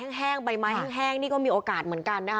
อากาศแห้งใบมายแห้งก็มีโอกาศเหมือนกันนะ